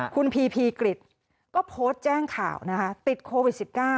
คุณพีพีกริจก็โพสต์แจ้งข่าวนะคะติดโควิด๑๙